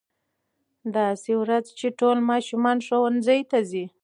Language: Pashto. داسې ورځ چې ټول ماشومان ښوونځي ته ځي.